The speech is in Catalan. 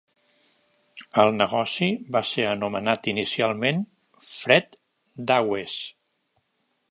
El negoci va ser anomenat inicialment fred Dawes.